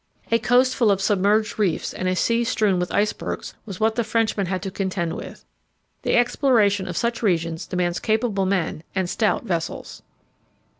A coast full of submerged reefs and a sea strewn with icebergs was what the Frenchmen had to contend with. The exploration of such regions demands capable men and stout vessels.